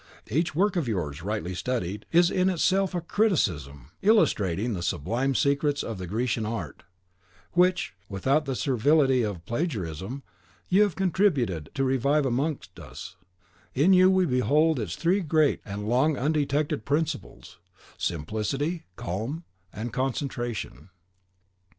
Each work of yours, rightly studied, is in itself a CRITICISM, illustrating the sublime secrets of the Grecian Art, which, without the servility of plagiarism, you have contributed to revive amongst us; in you we behold its three great and long undetected principles, simplicity, calm, and concentration.